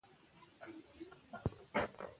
سنگ مرمر د افغانستان د طبیعي پدیدو یو رنګ دی.